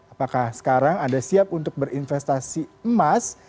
apakah sekarang anda siap untuk berinvestasi emas